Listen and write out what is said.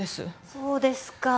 そうですか。